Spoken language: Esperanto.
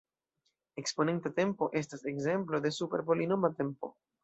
Eksponenta tempo estas ekzemplo de super-polinoma tempo.